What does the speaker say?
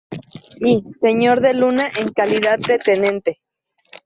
I señor de Luna en calidad de tenente.